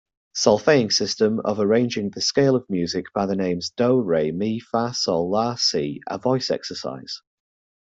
Solfaing system of arranging the scale of music by the names do, re, mi, fa, sol, la, si a voice exercise.